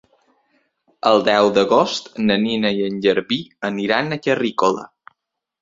El deu d'agost na Nina i en Garbí aniran a Carrícola.